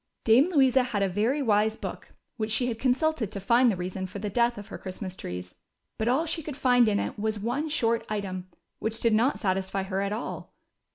Dame Louisa had a very wise book, which she had consulted to find the reason for the death of her Christmas trees, but all she could find in it was one 262 THE CHILDREN'S WONDER BOOK. short item, which did not satisfy her at all.